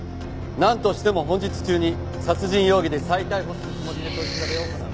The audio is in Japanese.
なんとしても本日中に殺人容疑で再逮捕するつもりで取り調べを行う。